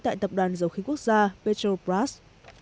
tại tập đoàn dầu khí quốc gia petrobras